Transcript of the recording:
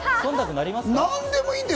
何でもいいんだよ！